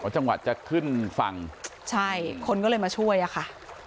จังหวะจะขึ้นฝั่งใช่คนก็เลยมาช่วยอะค่ะ